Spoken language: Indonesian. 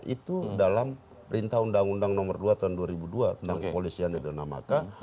itu dalam perintah undang undang nomor dua tahun dua ribu dua tentang kepolisian yang dinamakan